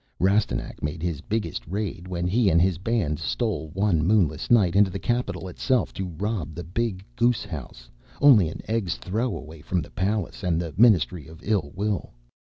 Rastignac made his biggest raid when he and his band stole one moonless night into the capital itself to rob the big Goose House, only an egg's throw away from the Palace and the Ministry of Ill Will.